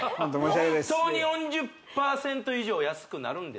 本当に４０％以上安くなるんですか？